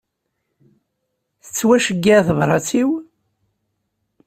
Tettuceyyeɛ tebrat-iw?